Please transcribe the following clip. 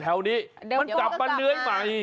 เราก็ที่ไปมันกลับมาเลื้อยใหม่